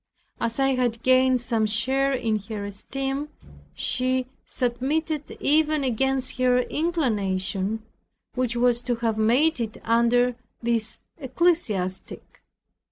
As I had gained some share in her esteem, she submitted even against her inclination, which was to have made it under this ecclesiastic.